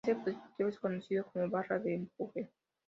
Este dispositivo es conocido como "barra de empuje".